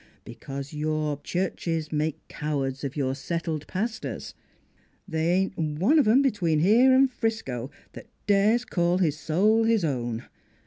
Because your churches make cowards of your settled pastors. They ain't one of 'em between here an' Frisco that dares call his soul his own.